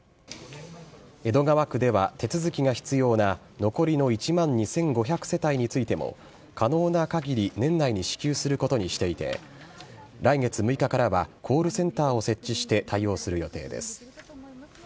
江戸川区では、手続きが必要な残りの１万２５００世帯についても、可能なかぎり年内に支給することにしていて、来月６日からはコールセンターを設置して対応する予定です。